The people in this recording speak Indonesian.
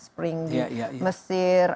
spring di mesir